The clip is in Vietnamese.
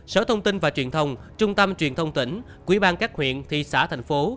sở thông tin và truyền thông trung tâm truyền thông tỉnh quỹ ban các huyện thị xã thành phố